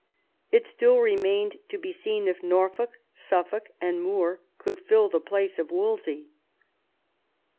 It still remained to be seen if Norfolk, Suffolk, and More could fill the place of Wolsey.